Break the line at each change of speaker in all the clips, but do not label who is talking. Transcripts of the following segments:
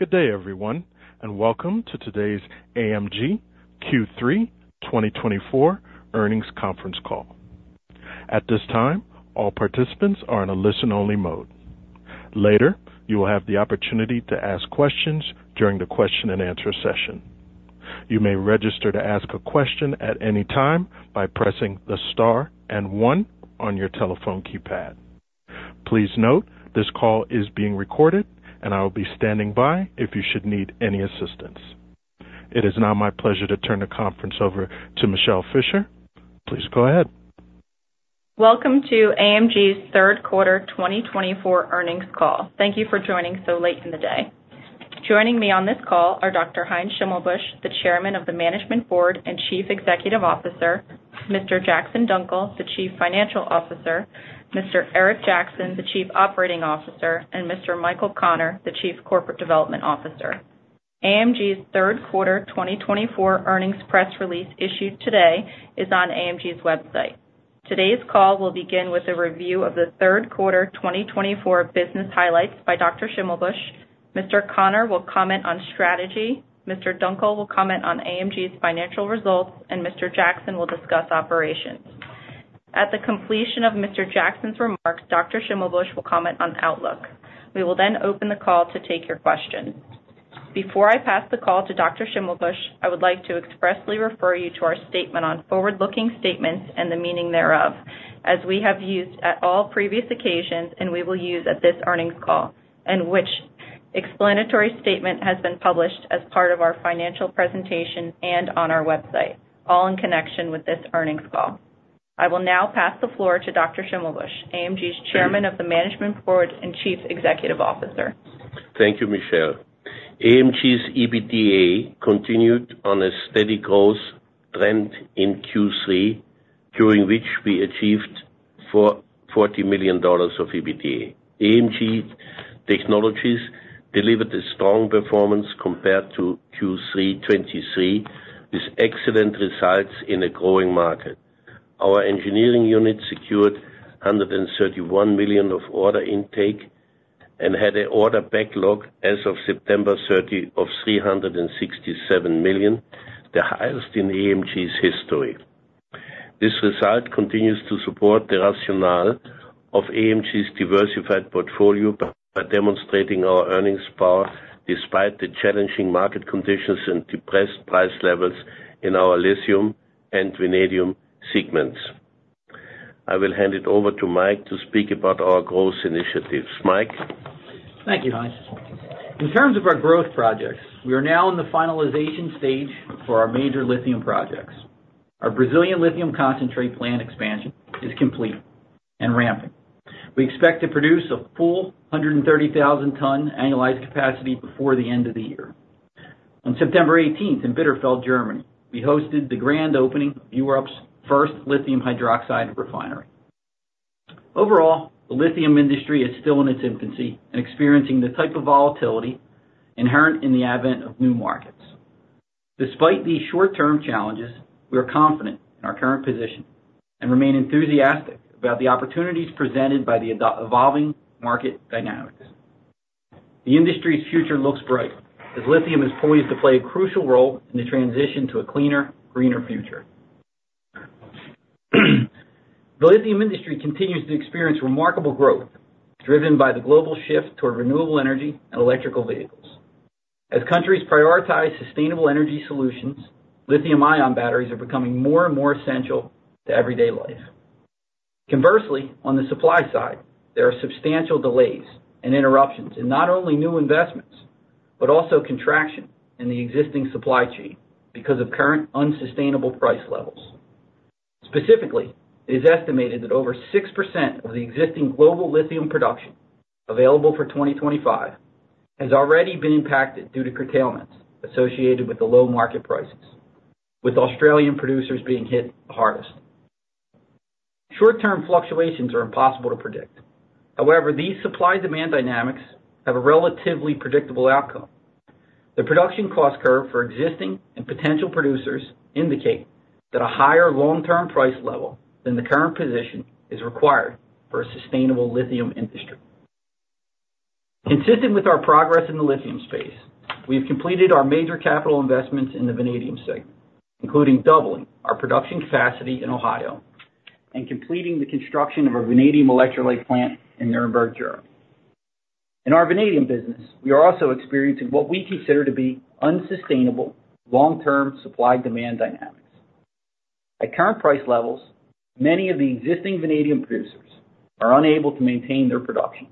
Good day everyone and welcome to today's AMG Q3 2024 earnings conference call. At this time all participants are in a listen-only mode. Later you will have the opportunity to ask questions during the question and answer session. You may register to ask a question at any time by pressing the star and one on your telephone keypad. Please note this call is being recorded and I will be standing by if you should need any assistance. It is now my pleasure to turn the conference over to Michele Fischer.Please go ahead.
Welcome to AMG's third quarter 2024 earnings call. Thank you for joining so late in the day. Joining me on this call are Dr. Heinz Schimmelbusch, the Chairman of the Management Board and Chief Executive Officer, Mr. Jackson Dunckel, the Chief Financial Officer, Mr. Eric Jackson, the Chief Operating Officer, and Mr. Michael Connor, the Chief Corporate Development Officer. AMG's third quarter 2024 earnings press release issued today is on AMG's website. Today's call will begin with a review of the third quarter 2024 business highlights by Dr. Schimmelbusch. Mr. Connor will comment on strategy. Mr. Dunckel will comment on AMG's financial results, and Mr. Jackson will discuss operations. At the completion of Mr. Jackson's remarks, Dr. Schimmelbusch will comment on outlook. We will then open the call to take your questions. Before I pass the call to Dr. Schimmelbusch, I would like to expressly refer you to our statement on forward-looking statements and the meaning thereof as we have used at all previous occasions and we will use at this earnings call and which explanatory statement has been published as part of our financial presentation and on our website. All in connection with this earnings call. I will now pass the floor to Dr. Schimmelbusch, AMG's Chairman of the Management Board and Chief Executive Officer.
Thank you, Michele. AMG's EBITDA continued on a steady growth trend in Q3 during which we achieved $40 million of EBITDA. AMG Technologies delivered a strong performance compared to Q3 2023 with excellent results in a growing market. Our engineering unit secured $131 million of order intake and had an order backlog as of September 30th of $367 million, the highest in AMG's history. This result continues to support the rationale of AMG's diversified portfolio by demonstrating our earnings power despite the challenging market conditions and depressed price levels in our lithium and vanadium segments. I will hand it over to Mike to speak about our growth initiatives. Mike,
Thank you, Heinz. In terms of our growth projects, we are now in the finalization stage for our major lithium projects. Our Brazilian lithium concentrate plant expansion is complete and ramping. We expect to produce a full 130,000-ton annualized capacity before the end of the year. On September 18th in Bitterfeld, Germany, we hosted the grand opening of Europe's first lithium hydroxide refinery. Overall, the lithium industry is still in its infancy and experiencing the type of volatility inherent in the advent of new markets. Despite these short-term challenges, we are confident in our current position and remain enthusiastic about the opportunities presented by the evolving market dynamics. The industry's future looks bright as lithium is poised to play a crucial role in the transition to a cleaner, greener future. The lithium industry continues to experience remarkable growth driven by the global shift toward renewable energy and electric vehicles. As countries prioritize sustainable energy solutions, lithium-ion batteries are becoming more and more essential to everyday life. Conversely, on the supply side, there are substantial delays and interruptions in not only new investments, but also contraction in the existing supply chain because of current unsustainable price levels. Specifically, it is estimated that over 6% of the existing global lithium production available for 2025 has already been impacted due to curtailments associated with the low market prices. With Australian producers being hit the hardest, short term fluctuations are impossible to predict. However, these supply demand dynamics have a relatively predictable outcome. The production cost curve for existing and potential producers indicate that a higher long term price level than the current position is required for a sustainable lithium industry. Consistent with our progress in the lithium space, we have completed our major capital investments in the vanadium segment, including doubling our production capacity in Ohio and completing the construction of our vanadium electrolyte plant in Nuremberg, Germany. In our vanadium business, we are also experiencing what we consider to be unsustainable long-term supply-demand dynamics. At current price levels, many of the existing vanadium producers are unable to maintain their production.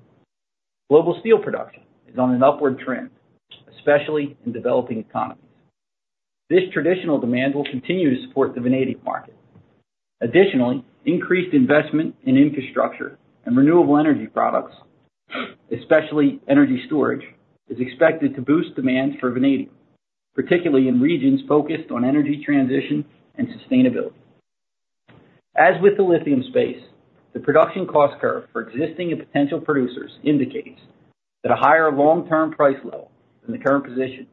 Global steel production is on an upward trend, especially in developing economies. This traditional demand will continue to support the vanadium market. Additionally, increased investment in infrastructure and renewable energy products, especially energy storage, is expected to boost demand for vanadium, particularly in regions focused on energy transition and sustainability. As with the lithium space, the production cost curve for existing and potential producers indicates that a higher long-term price level than the current position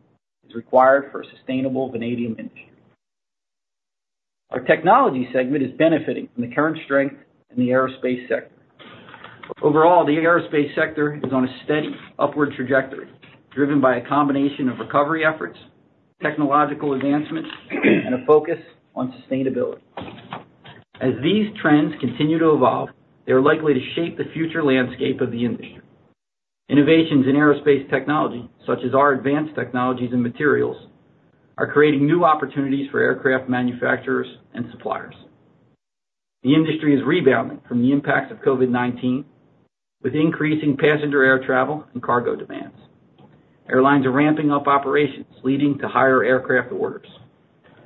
is required for a sustainable vanadium industry. Our technology segment is benefiting from the current strength in the aerospace sector. Overall, the aerospace sector is on a steady upward trajectory driven by a combination of recovery efforts, technological advancements and a focus on sustainability. As these trends continue to evolve, they are likely to shape the future landscape of the industry. Innovations in aerospace technology such as our advanced technologies and materials are creating new opportunities for aircraft manufacturers and suppliers. The industry is rebounding from the impacts of COVID-19 with increasing passenger air travel and cargo demands. Airlines are ramping up operations leading to higher aircraft orders.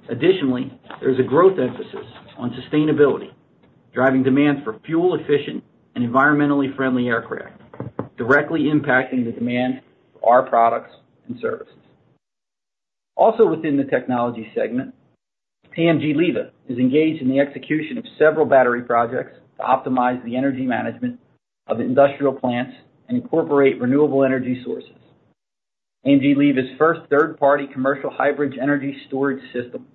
Additionally, there is a growth emphasis on sustainability driving demand for fuel efficient and environmentally friendly aircraft, directly impacting the demand for our products and services. Also within the technology segment, AMG LIVA is engaged in the execution of several battery projects to optimize the energy management industrial plants and incorporate renewable energy sources. AMG LIVA's first third party commercial hybrid energy storage system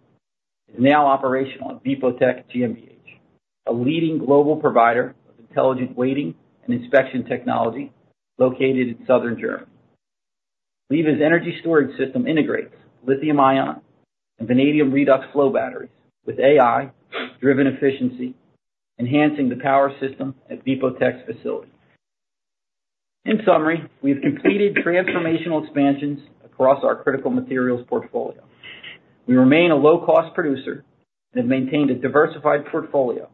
is now operational at Wipotec GmbH, a leading global provider of intelligent weighing and inspection technology located in southern Germany. LIVA's energy storage system integrates lithium-ion and vanadium redox flow batteries with AI-driven efficiency enhancing the power system at Wipotec's facility. In summary, we have completed transformational expansions across our critical materials portfolio. We remain a low-cost producer and have maintained a diversified portfolio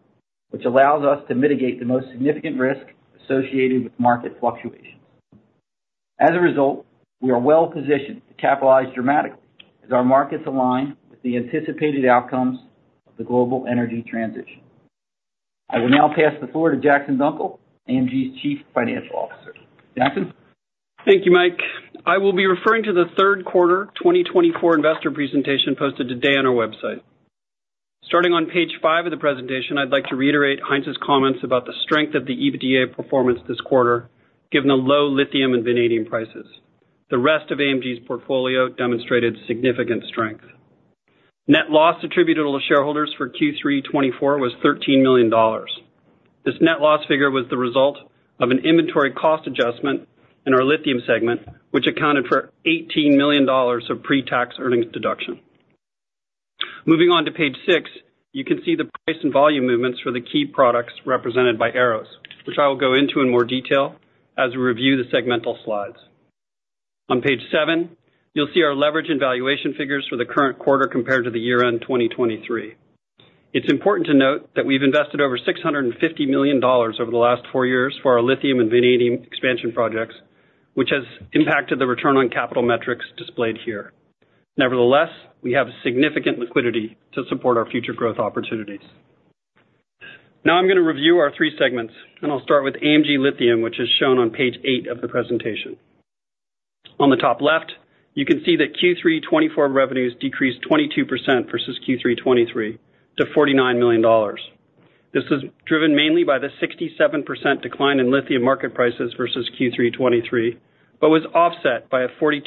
which allows us to mitigate the most significant risk associated with market fluctuations. As a result, we are well positioned to capitalize dramatically as our markets align with the anticipated outcomes of the global energy transition. I will now pass the floor to Jackson Dunckel, AMG's Chief Financial Officer. Jackson,
Thank you, Mike. I will be referring to the third quarter 2024 investor presentation posted today on our website. Starting on page five of the presentation, I'd like to reiterate Heinz's comments about the strength of the EBITDA performance this quarter. Given the low lithium and vanadium prices, the rest of AMG's portfolio demonstrated significant strength. Net loss attributable to shareholders for Q3.24 was $13 million. This net loss figure was the result of an inventory cost adjustment in our lithium segment which accounted for $18 million of pre-tax earnings deduction. Moving on to page six, you can see the price and volume movements for the key products represented by arrows, which I will go into in more detail as we review the segmental slides. On page seven you'll see our leverage and valuation figures for the current quarter compared to the year-end 2023. It's important to note that we've invested over $650 million over the last four years for our lithium and vanadium expansion projects, which has impacted the return on capital metrics displayed here. Nevertheless, we have significant liquidity to support our future growth opportunities. Now I'm going to review our three segments and I'll start with AMG Lithium, which is shown on page eight of the presentation. On the top left you can see that Q3 2024 revenues decreased 22% versus Q3 2023 to $49 million. This is driven mainly by the 67% decline in lithium market prices versus Q3 2023, but was offset by a 42%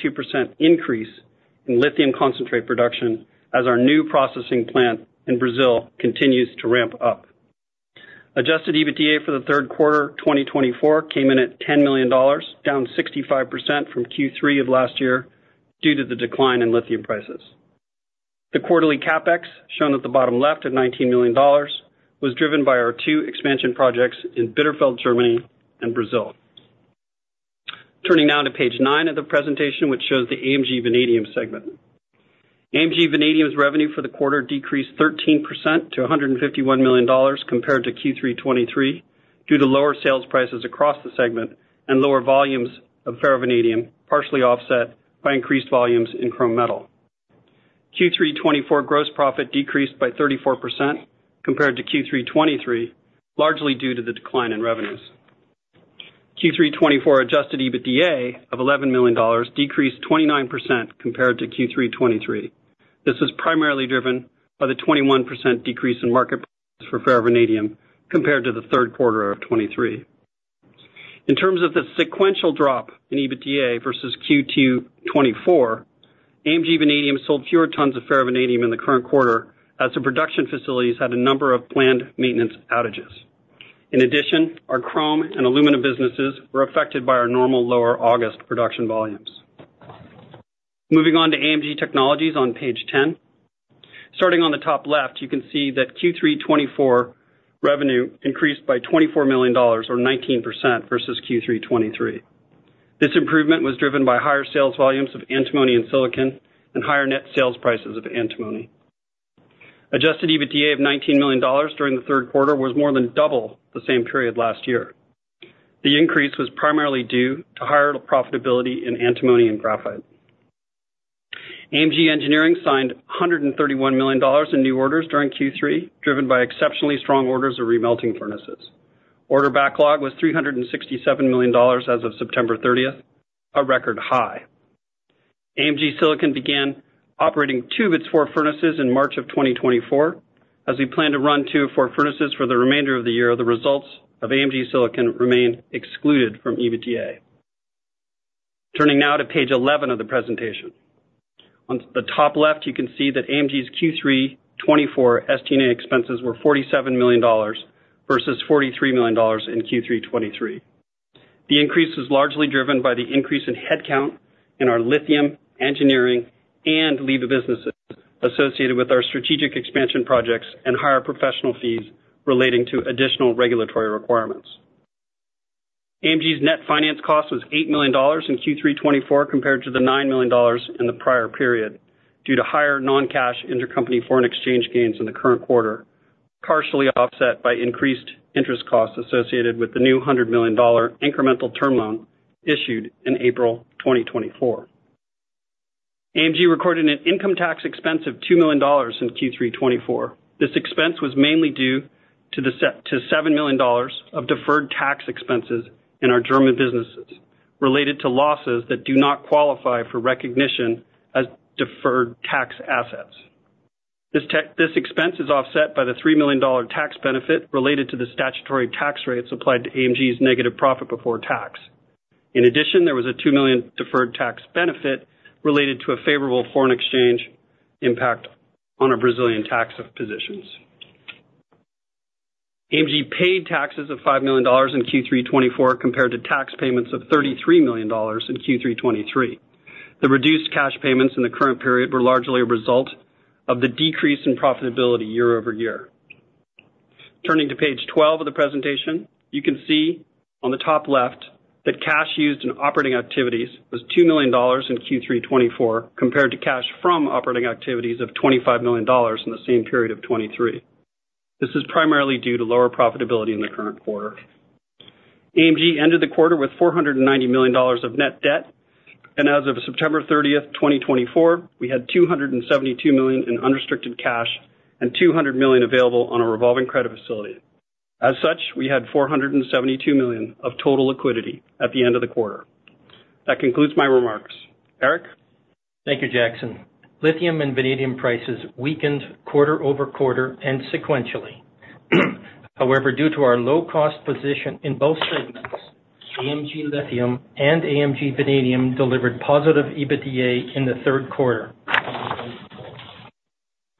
increase in lithium concentrate production as our new processing plant in Brazil continues to ramp up. Adjusted EBITDA for the third quarter 2024 came in at $10 million, down 65% from Q3 of last year due to the decline in lithium prices. The quarterly CapEx shown at the bottom left at $19 million was driven by our two expansion projects in Bitterfeld, Germany and Brazil. Turning now to page nine of the presentation, which shows the AMG Vanadium segment, AMG Vanadium's revenue for the quarter decreased 13% to $151 million compared to Q3 2023 due to lower sales prices across the segment and lower volumes of ferrovanadium, partially offset by increased volumes in chrome metal. Q3 2024 gross profit decreased by 34% compared to Q3 2023 largely due to the decline in revenues. Q3 2024 adjusted EBITDA of $11 million decreased 29% compared to Q3 2023. This was primarily driven by the 21% decrease in market prices for ferrovanadium compared to Q3 2023 in terms of the sequential drop in EBITDA versus Q2 2024. AMG Vanadium sold fewer tons of ferrovanadium in the current quarter as the production facilities had a number of planned maintenance outages. In addition, our chrome and alumina businesses were affected by our normal lower August production volumes. Moving on to AMG Technologies on page 10 starting on the top left, you can see that Q3 2024 revenue increased by $24 million or 19% versus Q3 2023. This improvement was driven by higher sales volumes of antimony and silicon and higher net sales prices of antimony. Adjusted EBITDA of $19 million during the third quarter was more than double the same period last year. The increase was primarily due to higher profitability in antimony and graphite. AMG Engineering signed $131 million in new orders during Q3, driven by exceptionally strong orders of remelting furnaces. Order backlog was $367 million as of September 30, a record high. AMG Silicon began operating two of its four furnaces in March of 2024. As we plan to run two or four furnaces for the remainder of the year, the results of AMG Silicon remain excluded from EBITDA. Turning now to page 11 of the presentation, on the top left you can see that AMG's Q3.24 SG&A expenses were $47 million versus $43 million in Q3.23. The increase was largely driven by the increase in headcount in our Lithium, Engineering, and LIVA, the businesses associated with our strategic expansion projects and higher professional fees relating to additional regulatory requirements. AMG's net finance cost was $8 million in Q3.24 compared to the $9 million in the prior period due to higher non-cash intercompany foreign exchange gains in the current quarter, partially offset by increased interest costs associated with the new $100 million incremental term loan issued in April 2024. AMG recorded an income tax expense of $2 million in Q3.24. This expense was mainly due to $7 million of deferred tax expenses in our German businesses related to losses that do not qualify for recognition as deferred tax assets. This expense is offset by the $3 million tax benefit related to the statutory tax rates applied to AMG's negative profit before tax. In addition, there was a $2 million deferred tax benefit related to a favorable foreign exchange impact on a Brazilian tax positions. AMG paid taxes of $5 million in Q3 2024 compared to tax payments of $33 million in Q3 2023. The reduced cash payments in the current period were largely a result of the decrease in profitability year-over-year. Turning to page 12 of the presentation, you can see on the top left that cash used in operating activities was $2 million in Q3 2024 compared to cash from operating activities of $25 million in the same period of 2023. This is primarily due to lower profitability in the current quarter. AMG ended the quarter with $490 million of net debt and as of September 30, 2024 we had $272 million in unrestricted cash and $200 million available on a revolving credit facility. As such, we had $472 million of total liquidity at the end of the quarter. That concludes my remarks. Eric.
thank you, Jackson. Lithium and vanadium prices weakened quarter over quarter and sequentially. However, due to our low-cost position in both segments, AMG Lithium and AMG Vanadium delivered positive EBITDA in the third quarter.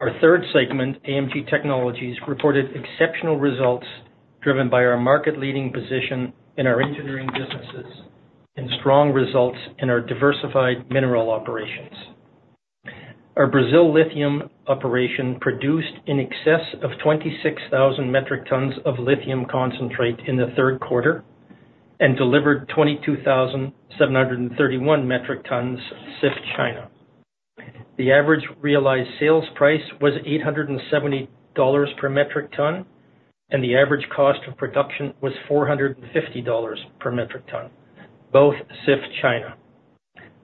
Our third segment, AMG Technologies, reported exceptional results driven by our market-leading position in our engineering businesses and strong results in our diversified mineral operations. Our Brazil lithium operation produced in excess of 26,000 metric tons of lithium concentrate in the third quarter and delivered 22,000 metric tons CIF China. The average realized sales price was $870 per metric ton and the average cost of production was $450 per metric ton. Both CIF China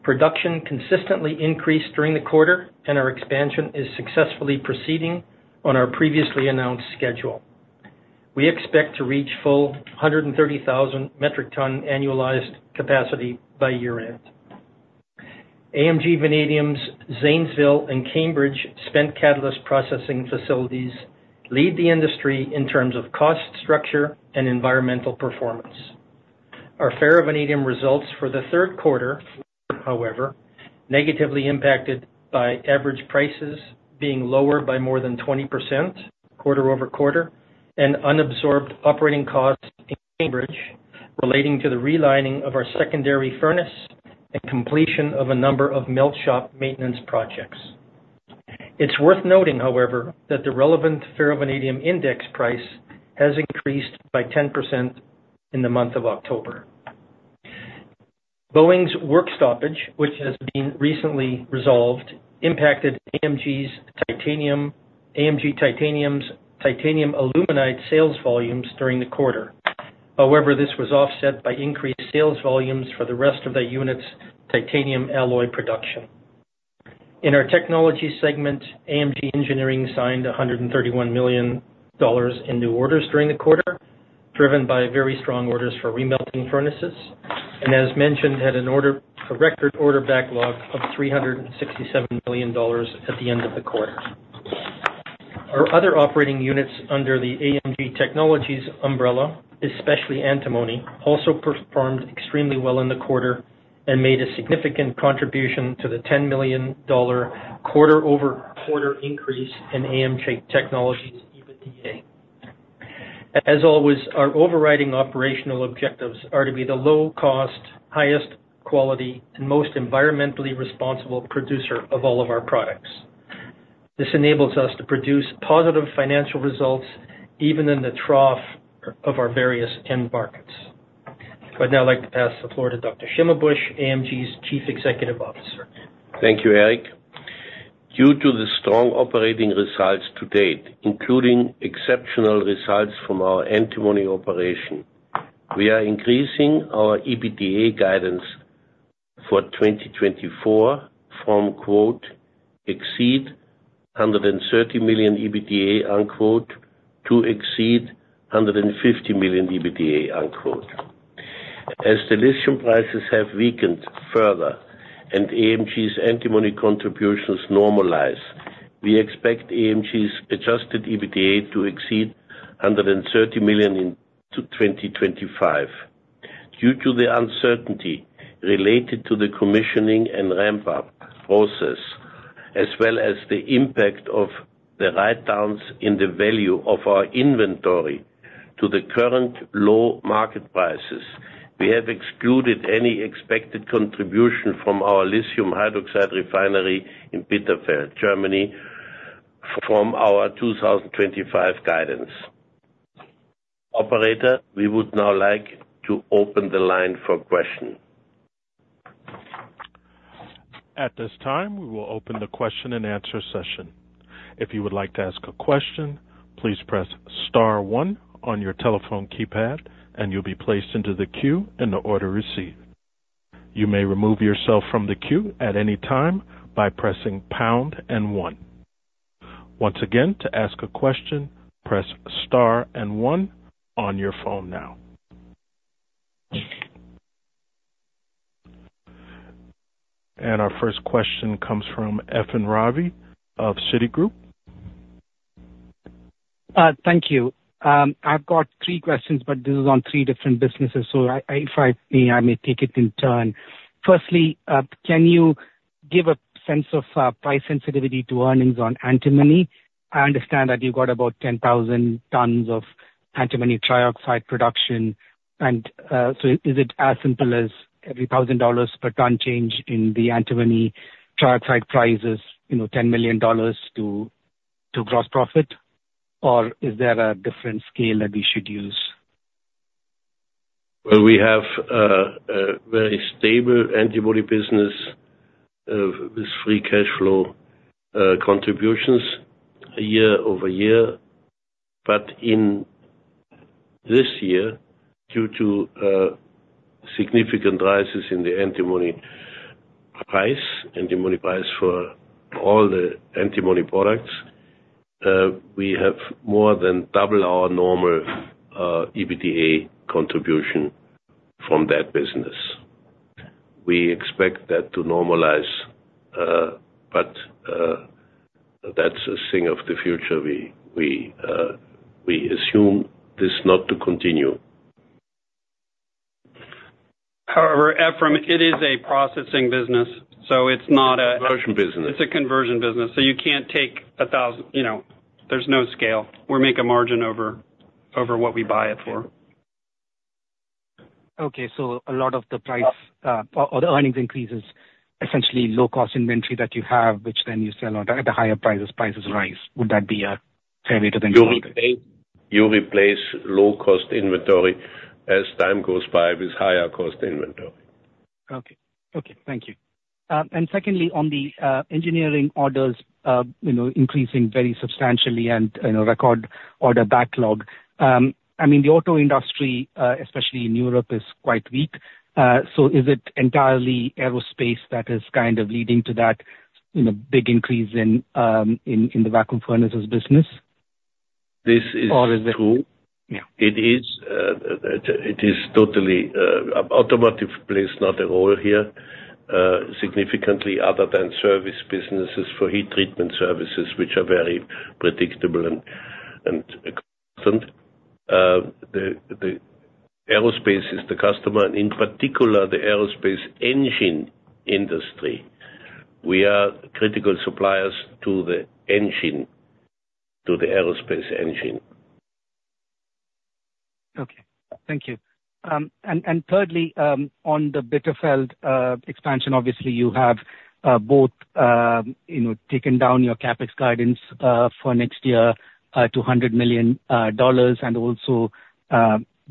production consistently increased during the quarter and our expansion is successfully proceeding on our previously announced schedule. We expect to reach full 130,000 metric ton annualized commercial capacity by year-end. AMG Vanadium's Zanesville and Cambridge spent catalyst processing facilities lead the industry in terms of cost structure and environmental performance. Our Q3 Vanadium results for the third quarter however negatively impacted by average prices being lower by more than 20% quarter over quarter and unabsorbed operating costs. Cambridge relating to the relining of our secondary furnace and completion of a number of melt shop maintenance projects. It's worth noting however that the relevant ferrovanadium index price has increased by 10% in the month of October. Boeing's work stoppage, which has been recently resolved, impacted AMG Titanium's titanium aluminide sales volumes during the quarter. However, this was offset by increased sales volumes for the rest of the unit's titanium alloy production. In our technology segment, AMG Engineering signed $131 million in new orders during the quarter, driven by very strong orders for remelting furnaces and, as mentioned, had a record order backlog of $367 million at the end of the quarter. Our other operating units under the AMG Technologies umbrella, especially antimony, also performed extremely well in the quarter and made a significant contribution to the $10 million quarter over quarter increase in AMG Technologies' EBITDA. As always, our overriding operational objectives are to be the low cost, highest quality and most environmentally responsible producer of all of our products. This enables us to produce positive financial results even in the trough of our various end markets. I'd now like to pass the floor to Dr. Schimmelbusch, AMG's Chief Executive Officer.
Thank you Eric. Due to the strong operating results to date, including exceptional results from our Antimony operation, we are increasing our EBITDA guidance for 2024 from quote exceed $130 million EBITDA unquote to exceed $150 million EBITDA unquote as the lithium prices have weakened further and AMG's antimony contributions normalize. We expect AMG's adjusted EBITDA to exceed $130 million into 2025. Due to the uncertainty related to the commissioning and ramp-up process as well as the impact of the write-downs in the value of our inventory to the current low market prices. We have excluded any expected contribution from our lithium hydroxide refinery in Bitterfeld, Germany from our 2025 guidance Operator. We would now like to open the line for question.
At this time we will open the question and answer session. If you would like to ask a question, please press star one on your telephone keypad and you'll be placed into the queue in the order received. You may remove yourself from the queue at any time by pressing star one once again. To ask a question press star one on your phone now. And our first question comes from Ephrem Ravi of Citigroup.
Thank you. I've got three questions but this is on three different businesses. So if I may, I may take it in turn. Firstly, can you give a sense of price sensitivity to earnings on antimony? I understand that you've got about 10,000 tons of antimony trioxide production. And so is it as simple as every thousand dollars per ton change in the antimony trioxide prices, you know, $10 million to gross profit or is there a different scale that we should use?
We have a very stable antimony business with free cash flow contributions year-over-year. But in this year, due to significant rises in the antimony price, antimony price for all the antimony products, we have more than double our normal EBITDA contribution from that business. We expect that to normalize, but that's a thing of the future. We assume this not to continue.
However, Ephrem, it is a processing business, so it's not a conversion business. It's a conversion business. So you can't take a thousand, you know, there's no scale. We make a margin over what we buy it for.
Okay, so a lot of the price or the earnings increases, essentially low cost inventory that you have, which then you sell at a higher price as prices rise, would that be a fair way?
To think about, you replace low-cost inventory as time goes by with higher-cost inventory.
Okay. Okay, thank you. And, secondly, on the engineering orders increasing very substantially and record order backlog, I mean, the auto industry, especially in Europe, is quite weak. So, is it entirely aerospace that is kind of leading to that big increase in the vacuum furnaces business?
This is true. It is, it is totally automotive plays no role here significantly other than service businesses for heat treatment services, which are very predictable, and the aerospace is the customer and in particular the aerospace engine industry. We are critical suppliers to the engine, to the aerospace engine.
Okay, thank you. And thirdly, on the Bitterfeld expansion, obviously you have both taken down your CapEx guidance for next year, $200 million. And also,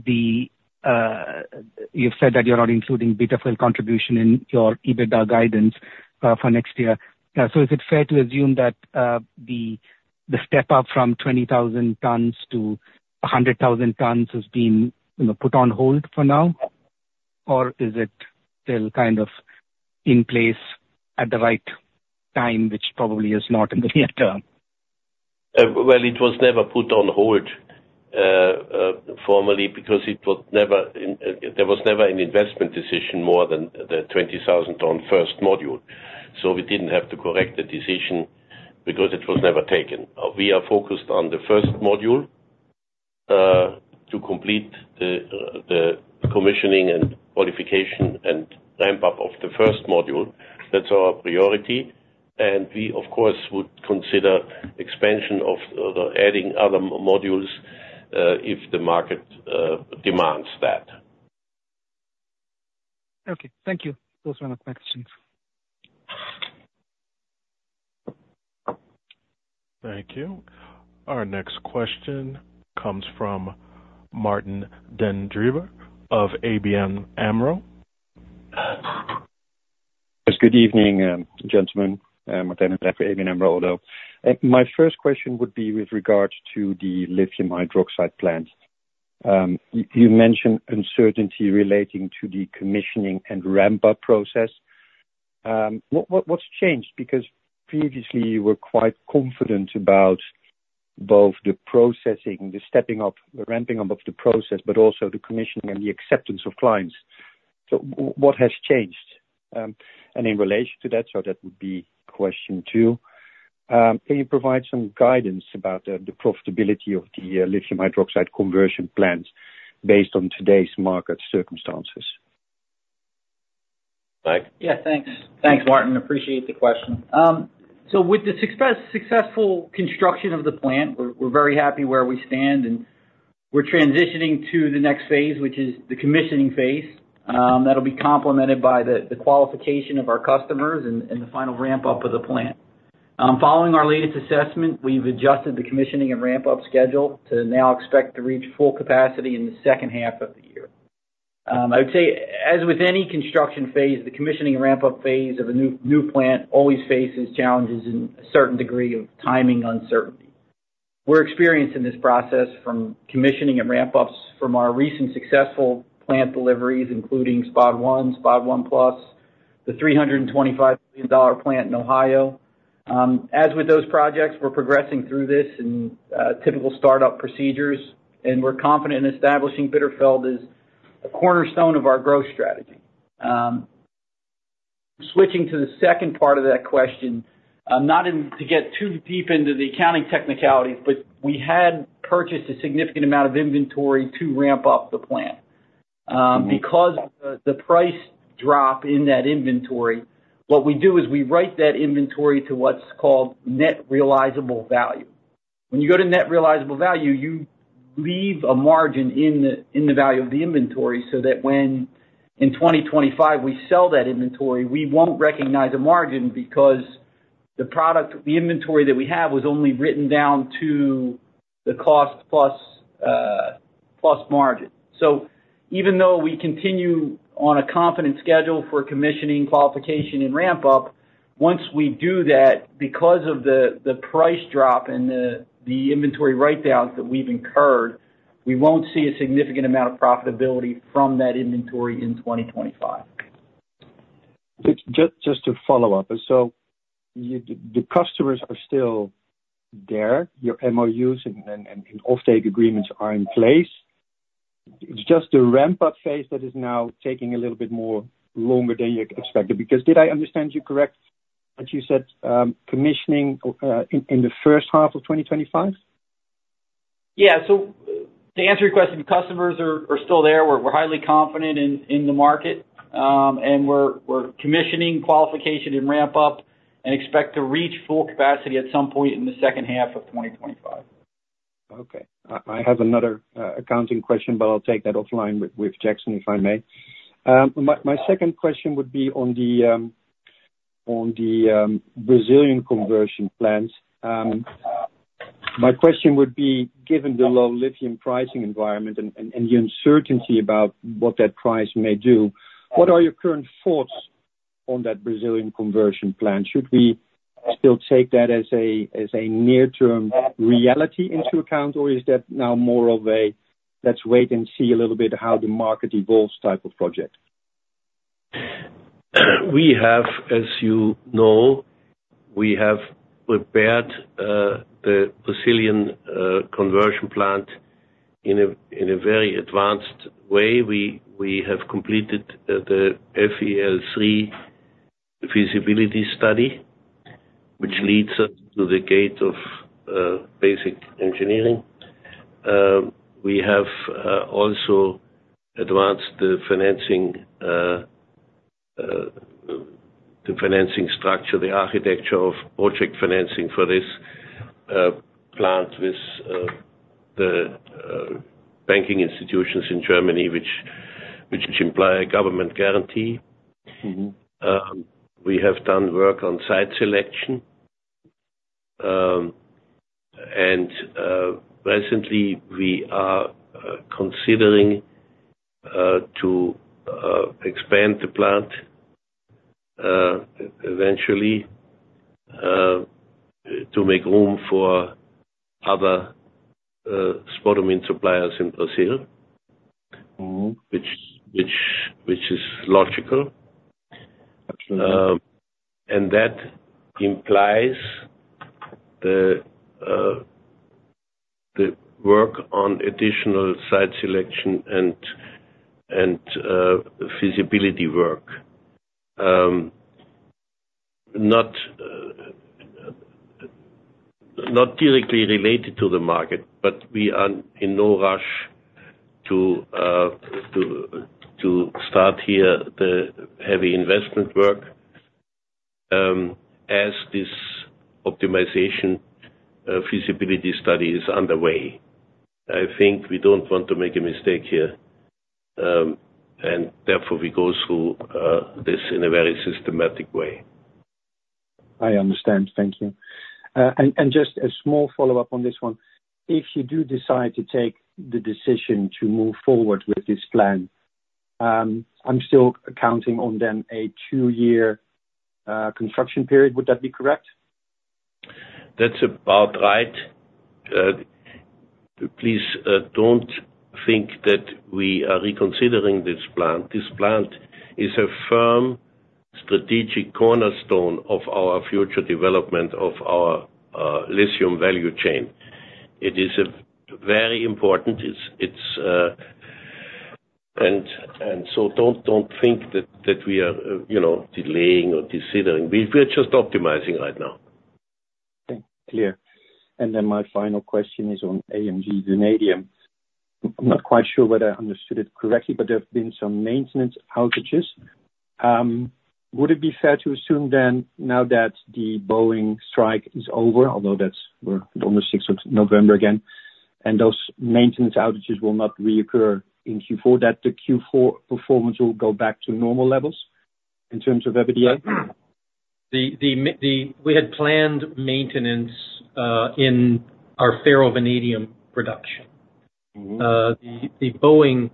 you've said that you're not including Bitterfeld contribution in your EBITDA guidance for next year. So is it fair to assume that the step up from 20,000 tonnes to 100,000 tonnes has been put on hold for now or is it still kind of in place at the right time, which probably is not in the near term?
It was never put on hold formerly. There was never an investment decision more than the 20,000 tonne first module, so we didn't have to correct the decision because it was never taken. We are focused on the first module to complete the commissioning and qualification and ramp up of the first module. That's our priority, and we of course would consider expansion of adding other modules if the market demands that.
Okay, thank you.
Those were not questions.
Thank you. Our next question comes from Martijn den Drijver of ABN AMRO.
Good evening, gentlemen. ABN AMRO. Although my first question would be with regards to the lithium hydroxide plant, you mentioned uncertainty relating to the commissioning and ramp up process. What's changed? Because previously you were quite confident about both the processing, the stepping up, the ramping up of the process, but also the commissioning and the acceptance of clients. So what has changed and in relation to that? So that would be question two. Can you provide some guidance about the profitability of the lithium hydroxide conversion plants based on today's market circumstances?
Mike?
Yeah, thanks. Thanks, Martin. Appreciate the question. So with the successful construction of the plant, we're very happy where we stand and we're transitioning to the next phase, which is the commissioning phase. That'll be complemented by the qualification of our customers and the final ramp up of the plant. Following our latest assessment, we've adjusted the commissioning and ramp up schedule to now expect to reach full capacity in the second half of the year. I would say, as with any construction phase, the commissioning ramp up phase of a new plant always faces challenges in a certain degree of timing uncertainty. We're experienced in this process from commissioning and ramp ups from our recent successful plant deliveries, including SP1, SP1+, the $325 million plant in Ohio. As with those projects, we're progressing through this and typical startup procedures. We're confident in establishing Bitterfeld as a cornerstone of our growth strategy. Switching to the second part of that question, not to get too deep into the accounting technicalities, but we had purchased a significant amount of inventory to ramp up the plant because the price drop in that inventory. What we do is we write that inventory to what's called net realizable value. When you go to net realizable value, you leave a margin in the value of the inventory so that when in 2025 we sell that inventory, we won't recognize a margin because the product, the inventory that we have was only written down to the cost plus margin. So even though we continue on a confident schedule for commissioning, qualification and ramp up, once we do that, because of the price drop and the inventory write-downs that we've incurred, we won't see a significant amount of profitability from that inventory in 2025.
Just to follow up. So the customers are still there, your MOUs and offtake agreements are in place. It's just a ramp up phase that is now taking a little bit more longer than you expected because did I understand you correctly that you said commissioning in the first half of 2025?
Yeah. So to answer your question, customers are still there, we're highly confident in the market and we're commissioning, qualification and ramp up and expect to reach full capacity at some point in the second half of 2025.
Okay, I have another accounting question, but I'll take that offline with Jackson if I may. My second question would be on the Brazilian conversion plans. My question would be, given the low lithium pricing environment and the uncertainty about what that price may do, what are your current thoughts on that Brazilian conversion plan? Should we still take that as a near term reality into account or is that now more of a let's wait and see a little bit how the market evolves type of project?
We have. As you know, we have prepared the Brazilian conversion plant in a very advanced way. We have completed the FEL3 feasibility study which leads us to the gate of basic engineering. We have also advanced the financing, the financing structure, the architecture of project financing for this plant with the banking institutions in Germany, which imply a government guarantee. We have done work on site selection and presently we are considering to expand the plant eventually to make room for other spodumene suppliers in Brazil, which is logical. And that implies the work on additional site selection and feasibility work not directly related to the market. But we are in no rush to start here. The heavy investment work as this optimization feasibility study is underway. I think we don't want to make a mistake here and therefore we go through this in a very systematic way.
I understand. Thank you. And just a small follow up on this one. If you do decide to take the decision to move forward with this plan, I'm still counting on then a two year construction period, would that be correct?
That's about right. Please don't think that we are reconsidering this plant. This plant is a firm strategic cornerstone of our future development of our lithium value chain. It is very important. And so don't think that we are, you know, delaying or considering. We're just optimizing right now. Clear.
Then my final question is on AMG Vanadium. I'm not quite sure whether I understood it correctly, but there have been some maintenance outages. Would it be fair to assume then, now that the Boeing strike is over, although that's on the 6th of November again and those maintenance outages will not reoccur in Q4, that the Q4 performance will go back to normal levels? In terms of EBITDA.
We had planned maintenance in our ferrovanadium production. The Boeing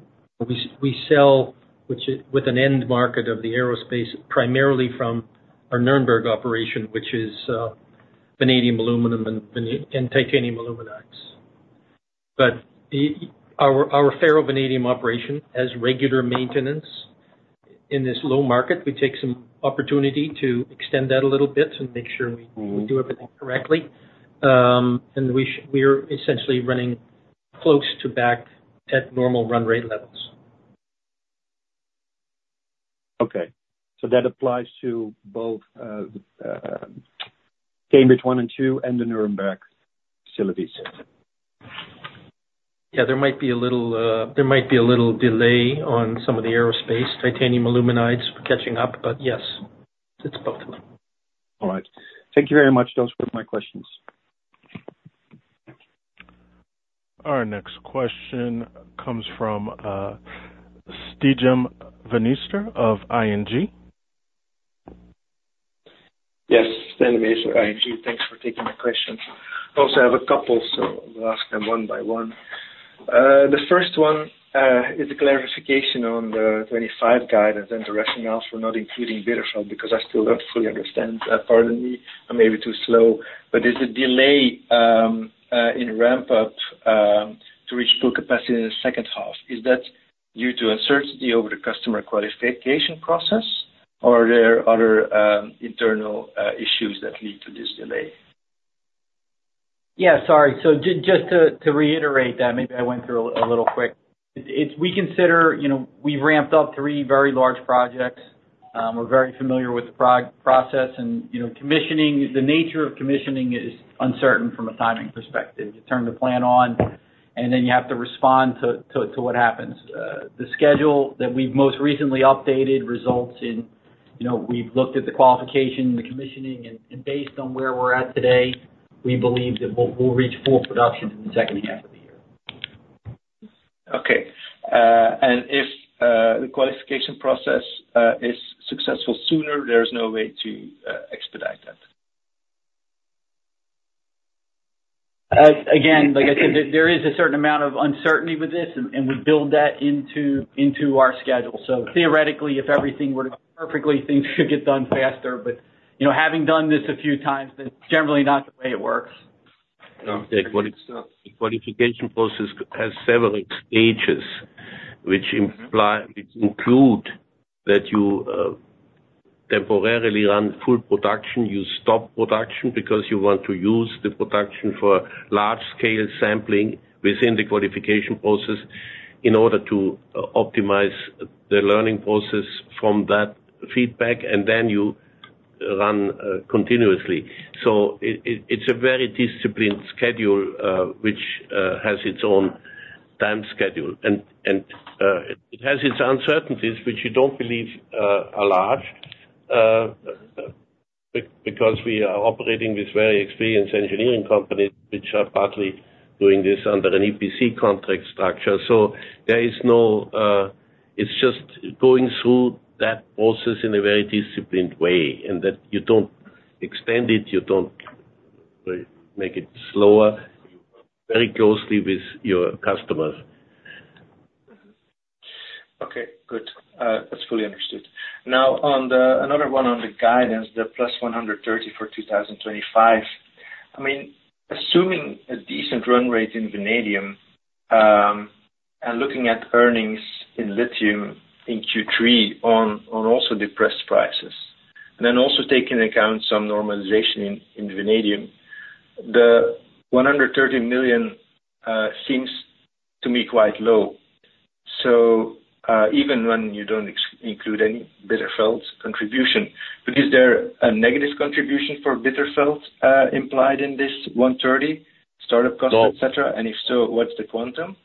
we sell with an end market of the aerospace primarily from our Nuremberg operation, which is vanadium aluminum and titanium aluminides. But our ferrovanadium operation has regular maintenance. In this low market, we take some opportunity to extend that a little bit and make sure we do everything correctly. We are essentially running close to back at normal run rate levels.
Okay, so that applies to both.
Cambridge one and two and the Nuremberg facilities.
Yeah, there might be a little delay on some of the aerospace. Titanium aluminides catching up.
But yes, it's both of them.
All right, thank you very much. Those were my questions.
Our next question comes from Stijn van Ewijk of ING. Yes, Stijn van Ewijk, ING. Thanks for taking the question. I also have a couple. So we'll ask them one by one. The first one is a clarification on the 2025 guidance and the rationale for not including Bitterfeld because I still don't fully understand. Pardon me, I may be too slow, but there's a delay in ramp up to reach full capacity in the second half. Is that due to uncertainty over the customer qualification process or are there other internal issues that lead to this delay?
Yeah, sorry. So just to reiterate that maybe I went through a little quick. It's we consider, you know, we've ramped up three very large projects. We're very familiar with the process and, you know, commissioning. The nature of commissioning is uncertain from a timing perspective. You turn the plan on and then you have to respond to what happens. The schedule that we've most recently updated results in, you know, we've looked at the qualification, the commissioning, and based on where we're at today, we believe that we'll reach full production in the second half of the year. Okay. And if the qualification process is successful sooner, there's no way to expedite that. Again, like I said, there is a certain amount of uncertainty with this and we build that into our schedule. So theoretically, if everything were perfectly, things. Could get done faster. But you know, having done this a few times, that's generally not the way it works.
The qualification process has several stages which includes that you temporarily run full production, you stop production because you want to use the production for large scale sampling within the qualification process in order to optimize the learning process from that feedback and then you run continuously. So it's a very disciplined schedule which has its own time schedule and it has its uncertainties, which you don't believe are large because we are operating this very experienced engineering company which are partly doing this under an EPC contract structure. So there is no, it's just going through that process in a very disciplined way and that you don't extend it, you don't make it slower very closely with your customers. Okay, good, that's fully understood. Now, on another one on the guidance, the plus $130 million for 2025, I mean assuming a decent run rate in vanadium and looking at earnings in lithium in Q3 on also depressed prices, and then also take into account some normalization in vanadium, the $130 million seems to me quite low. So even when you don't include any Bitterfeld contribution. But is there a negative contribution for Bitterfeld implied in this $130 million startup cost, etc. And if so, what's the quantum?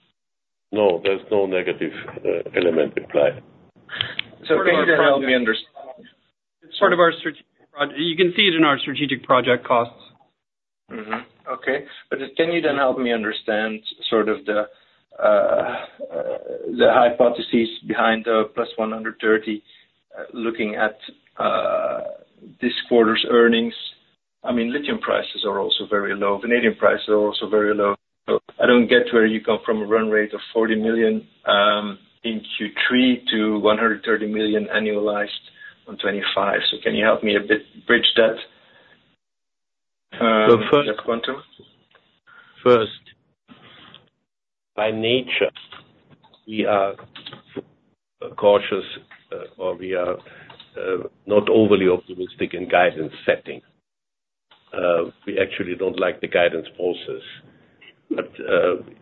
No, there's no negative element implied. Can you help me understand it's?
Part of our strategic, you can see it in our strategic project costs. Okay, but can you then help me understand sort of the hypotheses behind +130 looking at this quarter's earnings? I mean, lithium prices are also very low. Vanadium prices are also very low. So I don't get where you come from a run rate of $40 million in Q3 to $130 million annualized on 25. So can you help me a bit bridge that quantum?
First, by nature, we are cautious or we are not overly optimistic in guidance setting. We actually don't like the guidance process, but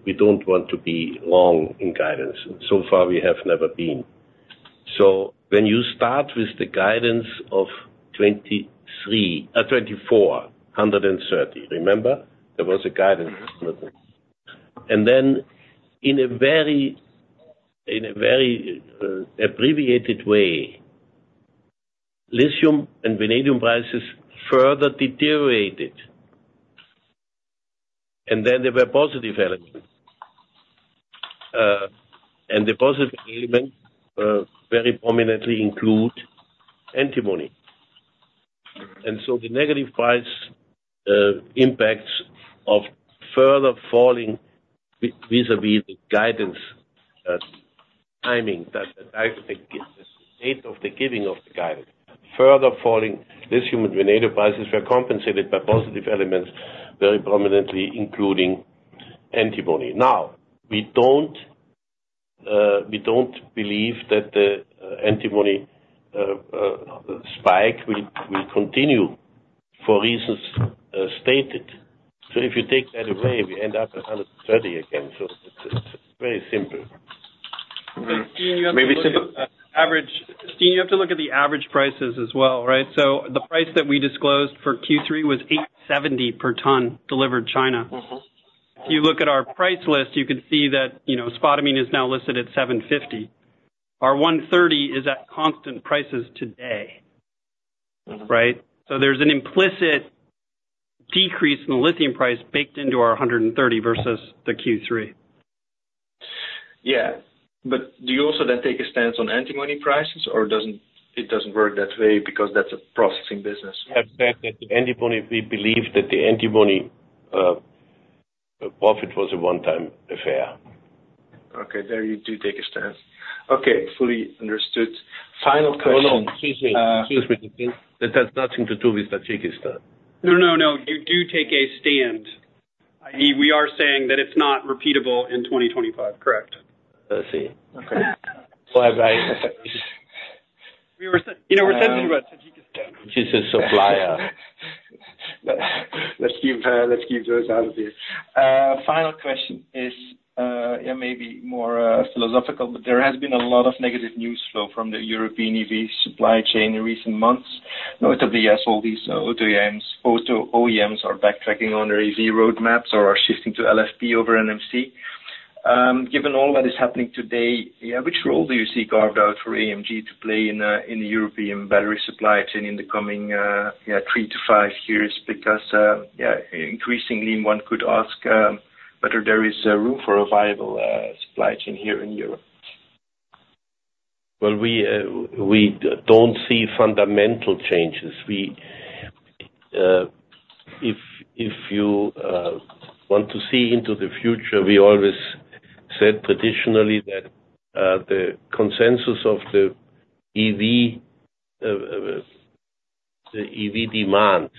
we don't want to be long in guidance. So far we have never been. So when you start with the guidance of 2,430, remember there was a guidance and then in a very abbreviated way, lithium and vanadium prices further deteriorated and then there were positive elements. The positive element very prominently include antimony. The negative price impacts of further falling vis-à-vis the guidance timing, date of the giving of the guidance, further falling lithium tantalum prices were compensated by positive elements very prominently, including antimony. Now. We don't believe that the antimony spike will continue for reasons stated. So if you take that away, we end up at 130 again. So it's very simple.
Maybe average. You have to look at the average prices as well. Right So the price that we disclosed for Q3 was $870 per ton delivered China. If you look at our price list, you can see that, you know, spodumene is now listed at $750. Our 1Q is at constant prices today. Right. So there's an implicit decrease in the lithium price baked into our 1Q versus the Q3. Yeah, but do you also then take a stance on antimony prices or It doesn't work that way because that's a processing business.
We believe that the antimony profit was a one time affair. Okay, there you do take a stance. Okay, fully understood. Final question. That has nothing to do with Tajikistan.
No, no, no, you do take a stand, i.e. We are saying that it's not repeatable in 2025. Correct.
I see.
Okay.
You know we're sending.
[Uncertain/Garbled] Let's keep those out of here. Final question is maybe more philosophical, but there has been a lot of negative news flow from the European EV supply chain in recent months. Notably, as all these auto OEMs are backtracking on their EV roadmaps or are shifting to LFP over NMC. Given all that is happening today, which role do you see carved out for AMG to play in the European battery supply chain in the coming three to five years? Because increasingly one could ask whether there is room for a viable supply chain here in Europe. Well, we don't see fundamental changes. If you want to see into the future, we always said traditionally that the consensus of the EV demand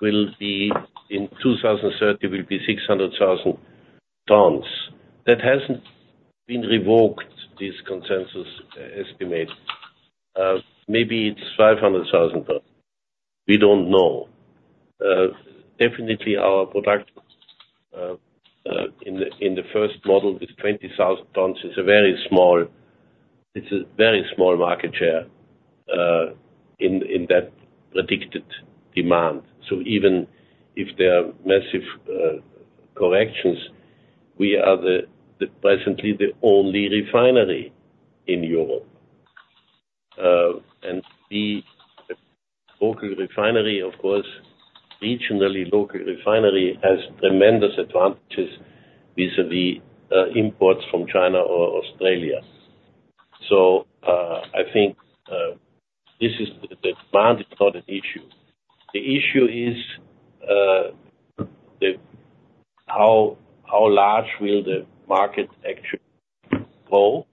will be in 2030 will be 600,000 tons. That hasn't been revoked. This consensus estimate, maybe it's 500,000 tonnes, we don't know. Definitely our product in the first model with 20,000 tonnes is a very small. It's a very small market share in that predicted demand. So even if there are massive corrections, we are presently the only refinery in Europe and the local refinery, of course regionally local refinery has tremendous advantages vis-à-vis imports from China or Australia. So I think this is. The demand is not an issue. The issue is, how large will the market actually grow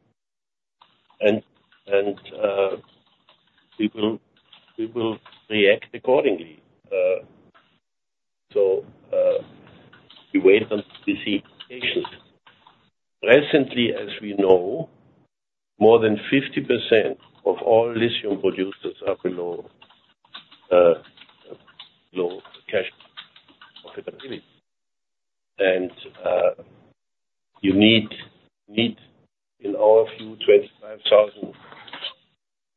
and we will react accordingly. So we wait until we see patterns. Recently as we know more than 50% of all lithium producers are below cash. And you need in our view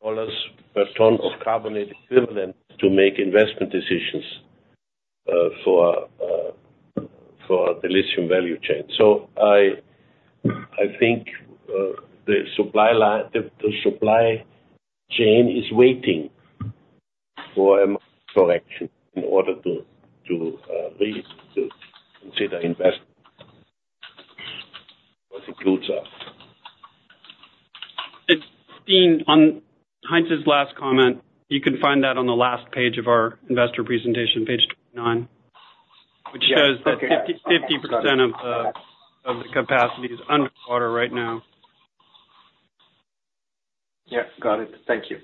$25,000 per ton of carbonate equivalent to make investment decisions for the lithium value chain. So I think the supply chain is waiting for a correction in order to consider investment.
Stijn, on Heinz's last comment, you can find that on the last page of our investor presentation, page 29, which shows that 50% of the capacities underwater right now. Yeah, got it. Thank you.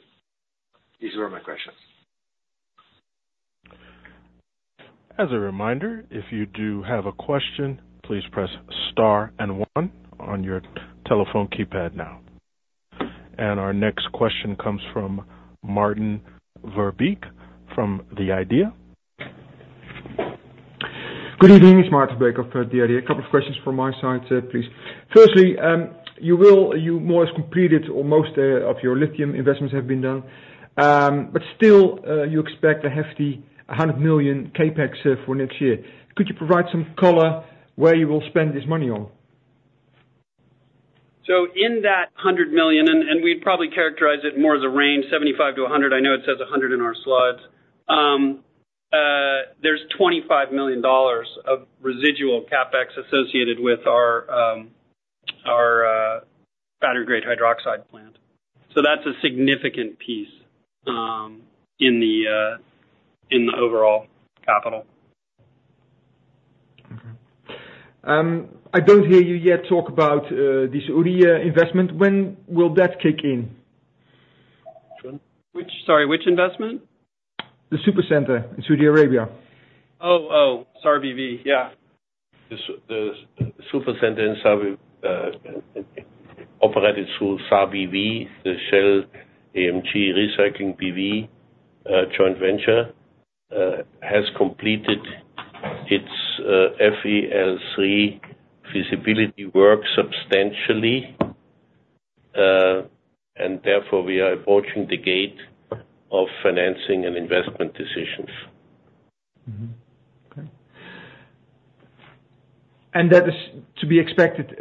These were my questions.
As a reminder, if you do have a question, please press star and one on your telephone keypad now. And our next question comes from Martijn Verbeek from The Idea. Good evening, it's Martijn Verbeek. I have a couple of questions from my side, please. Firstly, will AMG have completed or most of your lithium investments have been done but still you expect a hefty 100 million CapEx for next year. Could you provide some color where you will spend this money on?
So in that $100 million and we'd probably characterize it more as a range $75-$100 million. I know it says $100 million in our slides. There's $25 million of residual CapEx associated with our battery grade hydroxide plant. So that's a significant piece in the overall capital. I don't hear you yet talk about this LIVA investment, when will that kick in? Sorry, which investment? The Supercenter in Saudi Arabia. Oh, oh, SARBV.
Yeah, the Supercenter in SA operated through SARBV. The Shell & AMG Recycling B.V. joint venture has completed its FEL3 feasibility work substantially and therefore we are approaching the gate of financing and investment decisions. That is to be expected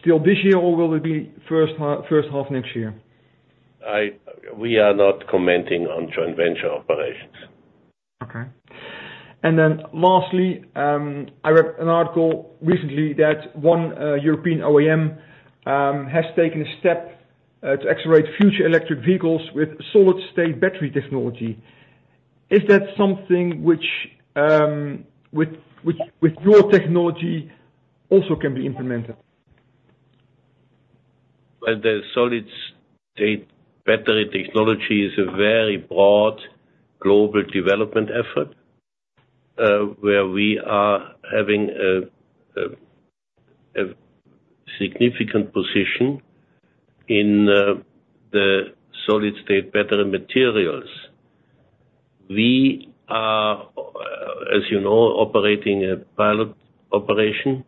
still this year or will it be first half next year? We are not commenting on joint venture operations. Okay. And then lastly I read an article just recently that one European OEM has taken a step to accelerate future electric vehicles with solid-state battery technology. Is that something which, with your technology, also can be implemented? The solid-state battery technology is a very broad global development effort where we are having a significant position in the solid-state battery materials. We are, as you know, operating a pilot operation.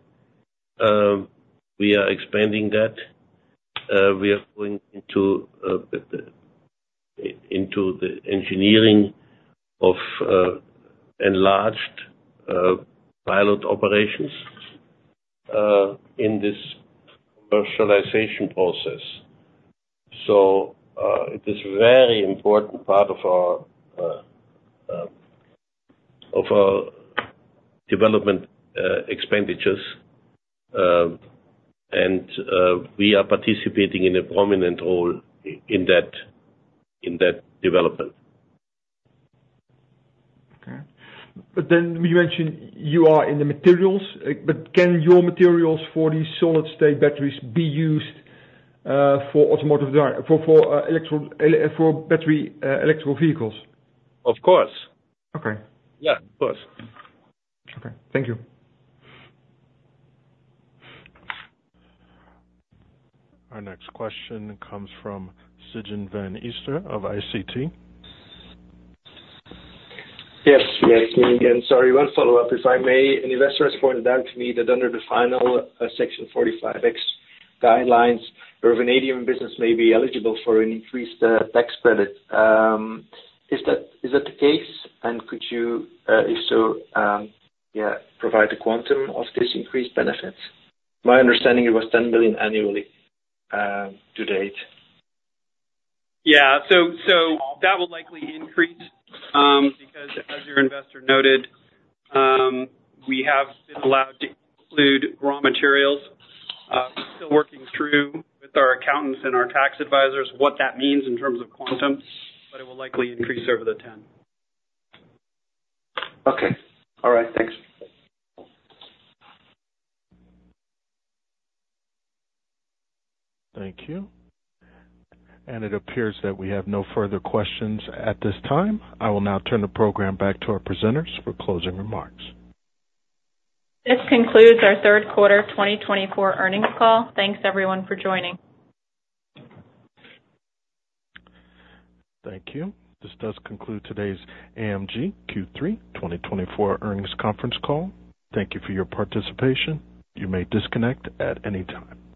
We are expanding that. We are going into the engineering of enlarged pilot operations in this commercialization process. So it is very important part of our development expenditures. And we are participating in a prominent role in that. In that development. Okay, but then you mentioned you are in the materials, but can your materials for these solid-state batteries be used for automotive? For battery electric vehicles? Of course. Okay. Yeah, of course. Okay, thank you.
Our next question comes from Stijn van Ewijk of ING. Yes, me again. Sorry. One follow up, if I may. An investor has pointed out to me that under the final Section 45X guidelines, Vanadium business may be eligible for an increased tax credit. Is that the case? And could you if so, provide the quantum of this increased benefit? My understanding it was $10 million annually to date.
Yeah. So that will likely increase because as your investor noted, we have been allowed to include raw materials. Still working through with our accountants and our tax advisors what that means in terms of quantum, but it will likely increase over the 10. Okay. All right. Thanks.
Thank you. It appears that we have no further questions at this time. I will now turn the program back to our presenters for closing remarks.
This concludes our third quarter 2024 earnings call. Thanks everyone for joining.
Thank you. This does conclude today's AMG Q3 2024 earnings conference call. Thank you for your participation. You may disconnect at any time.